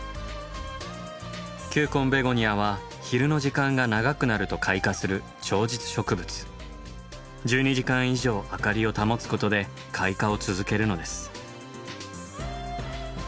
球根ベゴニアは昼の時間が長くなると開花する１２時間以上明かりを保つことで開花を続けるのです。